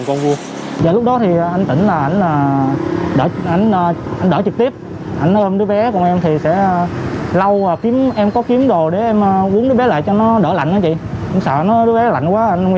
cảm ơn các quý vị chú nhiều